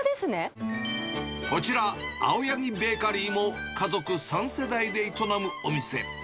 こちら、青柳ベーカリーも家族３世代で営むお店。